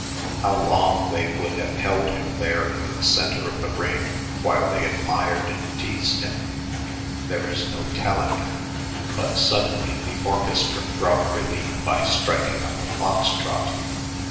How long they would have held him there in the center of the ring while they admired and teased him, there is no telling; but suddenly the orchestra brought relief by striking up a fox trot.